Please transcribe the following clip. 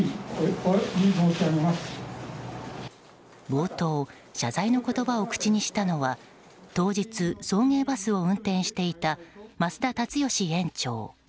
冒頭謝罪の言葉を口にしたのは当日、送迎バスを運転していた増田立義園長。